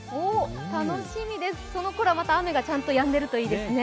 楽しみです、そのころは雨がやんでいるといいですね。